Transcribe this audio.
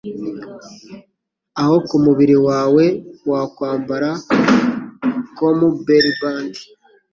Aho Kumubiri wawe Wakwambara Cummberbund